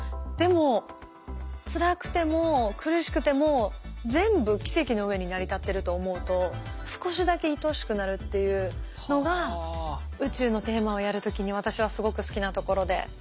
でもつらくても苦しくても全部奇跡の上に成り立ってると思うと少しだけいとおしくなるっていうのが宇宙のテーマをやる時に私はすごく好きなところで。